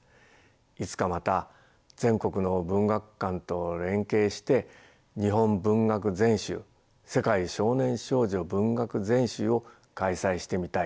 いつかまた全国の文学館と連携して「日本文学全集」「世界少年少女文学全集」を開催してみたい。